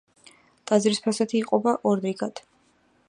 ტაძრის ფასადი იყოფა ორ რიგად.